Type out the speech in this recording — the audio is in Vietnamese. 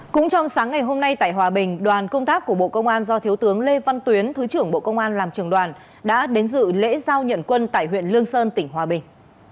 cũng trong sáng ngày hôm nay tại hòa bình đoàn công tác của bộ công an do thiếu tướng lê văn tuyến thứ trưởng bộ công an làm trường đoàn đã đến dự lễ giao nhận quân tại huyện lương sơn tỉnh hòa bình